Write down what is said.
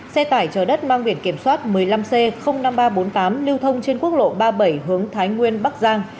xe tải chở đất mang biển kiểm soát một mươi năm c năm nghìn ba trăm bốn mươi tám lưu thông trên quốc lộ ba mươi bảy hướng thái nguyên bắc giang